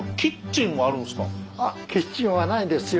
キッチンはないんですよ。